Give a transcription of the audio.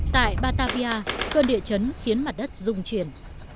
tại batavia cơn địa chấn khiến mặt đất dung chuyển